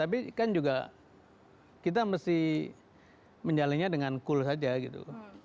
tapi kan juga kita mesti menjalinnya dengan cool saja gitu